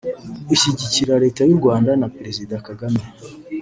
ushyigikira Leta y’u Rwanda na Perezida Kagame